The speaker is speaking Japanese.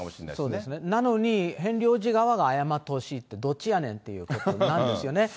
そうですね、なのに、ヘンリー王子側が謝ってほしいって、どっちやねんっていうことになるんですよね。